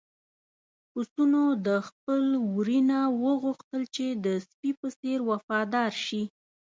پسونو د خپل وري نه وغوښتل چې د سپي په څېر وفادار شي.